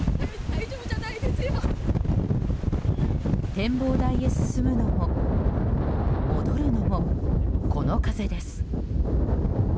展望台へ進むのも戻るのもこの風です。